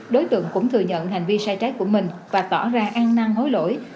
đối tượng cũng thừa nhận hành vi sai trái của mình và tỏ ra ăn năng hối lỗi